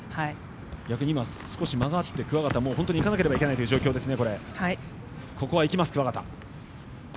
逆に今、少し間があって桑形、本当にいかなければいけない状況ですね。